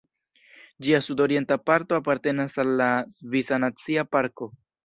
Ĝia sudorienta parto apartenas al la Svisa Nacia Parko.